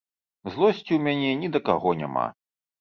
Злосці ў мяне ні да каго няма.